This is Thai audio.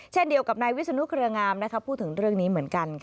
เช่นเดียวกับนายวิศนุเครืองามพูดถึงเรื่องนี้เหมือนกัน